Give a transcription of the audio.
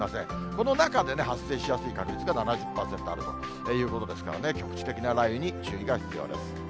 この中で発生しやすい確率が７０％あるということですからね、局地的な雷雨に注意が必要です。